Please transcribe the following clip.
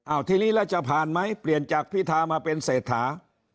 เอาทีนี้แล้วจะผ่านไหมเปลี่ยนจากพิธามาเป็นเศรษฐา